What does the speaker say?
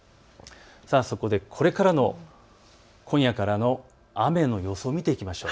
そこでこれからの今夜からの雨の予想を見ていきましょう。